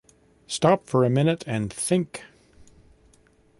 Stop for a minute and think.